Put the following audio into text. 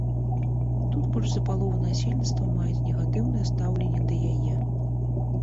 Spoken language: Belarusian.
Тут больш за палову насельніцтва маюць негатыўнае стаўленне да яе.